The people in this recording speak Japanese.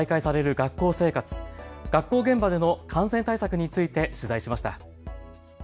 学校現場での感染対策について取材しました。